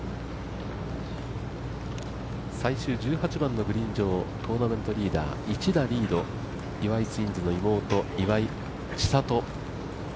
最終１８番のグリーン上トーナメントリーダー１打リード、岩井ツインズの妹、岩井千怜。